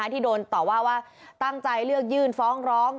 ที่โดนต่อว่าว่าตั้งใจเลือกยื่นฟ้องร้อง